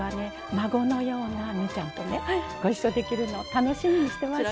孫のような望結ちゃんとねご一緒できるの楽しみにしてました。